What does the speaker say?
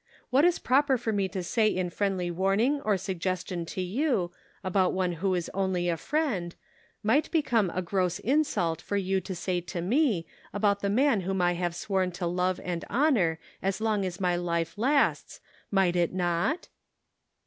What is proper for me to say in friendly warning or suggestion to you, about one who is only a friend, might become a gross insult for you to say to me about the man whom I have sworn to love and honor as long as my life lasts, might it not